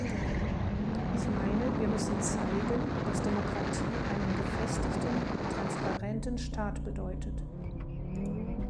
Ich meine, wir müssen zeigen, dass Demokratie einen gefestigten, transparenten Staat bedeutet.